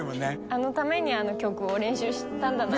あのためにあの曲を練習したんだなと。